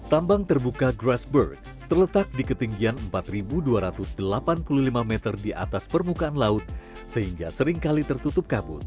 tambang terbuka grassberg terletak di ketinggian empat dua ratus delapan puluh lima meter di atas permukaan laut sehingga seringkali tertutup kabut